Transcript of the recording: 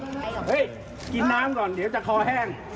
เฮ้ยกินน้ำก่อนเดี๋ยวจะคอแห้ง